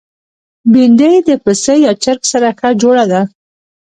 بېنډۍ د پسه یا چرګ سره ښه جوړه ده